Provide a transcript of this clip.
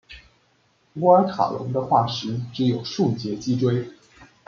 普尔塔龙的化石只有数节脊椎。